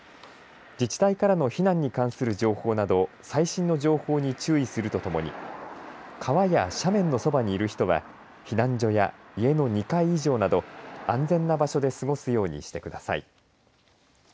自治体からの避難に関する情報など最新の情報に注意するとともに川や斜面のそばにいる人は避難所や家の２階以上など安全な場所で過ごすようにしてください。